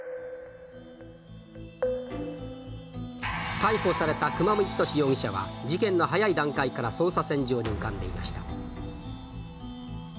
逮捕された久間三千年容疑者は事件の早い段階から捜査線上に浮かんでいました。